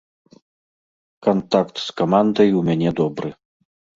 Кантакт з камандай у мяне добры.